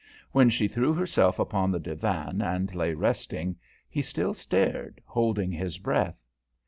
When she threw herself upon the divan and lay resting, he still stared, holding his breath.